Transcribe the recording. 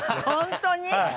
本当に？